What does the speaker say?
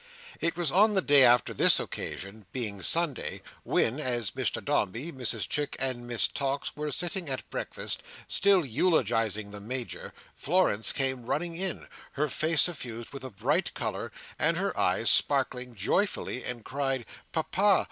It was on the day after this occasion (being Sunday) when, as Mr Dombey, Mrs Chick, and Miss Tox were sitting at breakfast, still eulogising the Major, Florence came running in: her face suffused with a bright colour, and her eyes sparkling joyfully: and cried, "Papa!